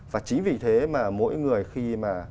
và chính vì thế mà mỗi người khi mà